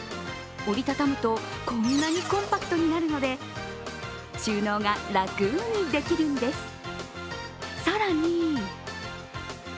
折り畳むと、こんなにコンパクトになるので収納が楽にできるんです。